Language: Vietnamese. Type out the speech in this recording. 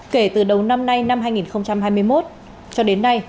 kể từ đầu năm nay năm hai nghìn hai mươi một cho đến nay